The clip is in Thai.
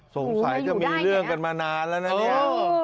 สงสัยจะมีเรื่องกันมานานแล้วนะเนี่ย